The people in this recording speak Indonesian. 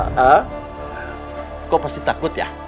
kau pasti takut ya